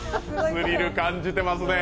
スリル感じてますね！